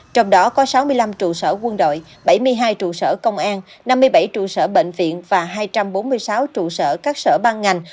trong đó có sáu mươi năm trụ sở quân đội bảy mươi hai trụ sở công an năm mươi bảy trụ sở bệnh viện và hai trăm bốn mươi sáu trụ sở các sở ban ngành